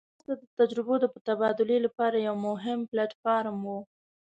دا ناسته د تجربو د تبادلې لپاره یو مهم پلټ فارم وو.